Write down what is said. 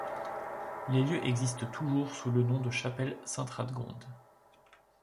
Les lieux existent toujours sous le nom de chapelle Sainte-Radegonde.